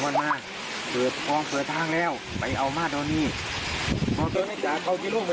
นั่นเขาโทรหาใคร